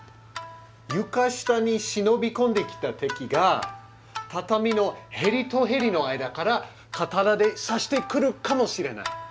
床下に忍び込んできた敵が畳のへりとへりの間から刀で刺してくるかもしれない。